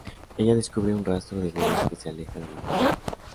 Ella descubre un rastro de huellas que se aleja de la prisión.